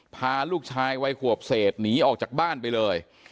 พาลูกชายวัยขวบเศษหนีออกจากบ้านไปเลย